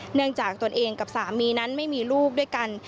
เนื่องจากตนเองกับสามีนั้นไม่มีลูกด้วยกัน